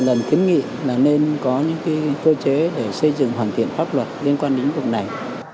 lần kiến nghị là nên có những cơ chế để xây dựng hoàn thiện pháp luật liên quan đến việc này